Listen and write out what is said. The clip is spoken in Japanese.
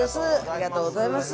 ありがとうございます。